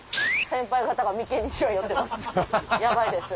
先輩方が眉間にしわ寄ってます